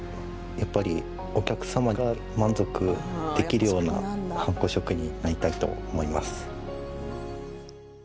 やっぱりお客様が満足できるようなハンコ職人になりたいなと思います。